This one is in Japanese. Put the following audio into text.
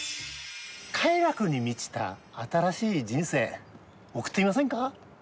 快楽に満ちた新しい人生送ってみませんか？